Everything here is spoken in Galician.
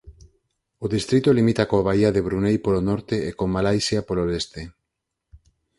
O distrito limita coa baía de Brunei polo norte e con Malaisia polo leste.